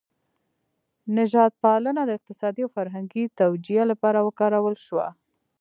نژاد پالنه د اقتصادي او فرهنګي توجیه لپاره وکارول شوه.